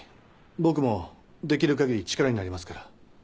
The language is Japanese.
僕もできる限り力になりますから。